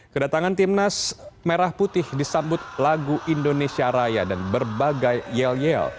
kedatangan timnas merah putih disambut lagu indonesia raya dan berbagai yel yel